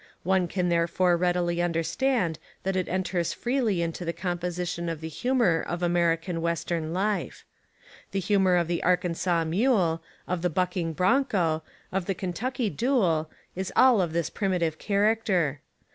One can there fore readily understand that It enters freely into the composition of the humour of Ameri can western life. The humour of the Arkansas' mule, of the bucking broncho, of the Kentucky duel, is all of this primitive character.